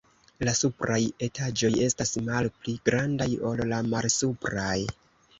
La supraj etaĝoj estas malpli grandaj ol la malsupraj.